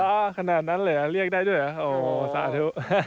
ก็ขนาดนั้นเลยเรียกได้ด้วยโอ้โฮสาธุ